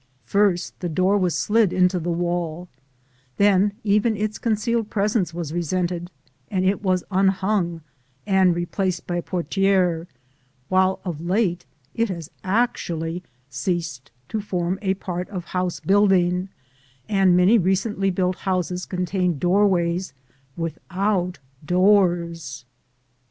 First, the door was slid into the wall; then even its concealed presence was resented, and it was unhung and replaced by a portière; while of late it has actually ceased to form a part of house building, and many recently built houses contain doorways without doors.